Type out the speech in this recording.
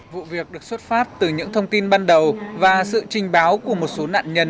vụ việc được xuất phát từ những thông tin ban đầu và sự trình báo của một số nạn nhân